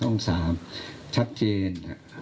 ห้องสามชัดเจน